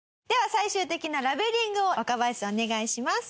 最終的なラベリングを若林さんお願いします。